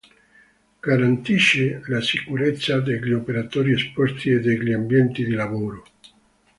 Garantisce la sicurezza degli operatori esposti e degli ambienti di lavoro.